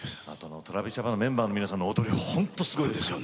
ＴｒａｖｉｓＪａｐａｎのメンバーの皆さんの踊りほんとすごいですから。